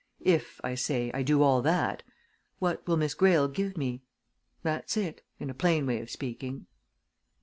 if, I say, I do all that, what will Miss Greyle give me? That's it in a plain way of speaking."